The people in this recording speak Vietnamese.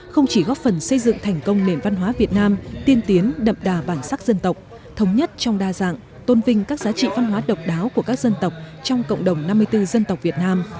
không chỉ góp phần xây dựng thành công nền văn hóa việt nam tiên tiến đậm đà bản sắc dân tộc thống nhất trong đa dạng tôn vinh các giá trị văn hóa độc đáo của các dân tộc trong cộng đồng năm mươi bốn dân tộc việt nam